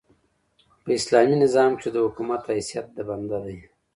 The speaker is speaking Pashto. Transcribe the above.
په اسلامي نظام کښي د حکومت حیثیت د بنده دئ.